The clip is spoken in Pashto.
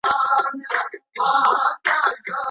درک کول د زده کړي لوړه کچه ده.